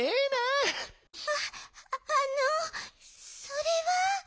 あっあのそれは。